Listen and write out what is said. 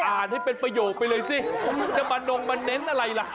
อ่านให้เป็นประโยคไปเลยสิจะมานงมาเน้นอะไรล่ะ